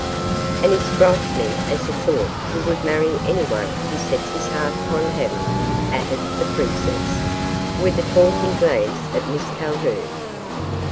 "And he strikes me as the sort who would marry any one he set his heart upon having," added the princess, with a taunting glance at Miss Calhoun.